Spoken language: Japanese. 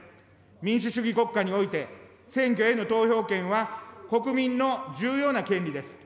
民主主義国家において、選挙への投票権は国民の重要な権利です。